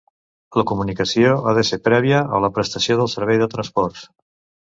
La comunicació ha de ser prèvia a la prestació del servei de transports.